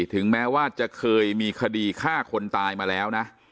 ถึงแม้ว่าจะเคยมีคดีฆ่าคนตายมาแล้วนะ